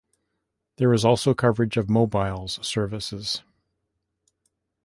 There is also coverage of mobiles services.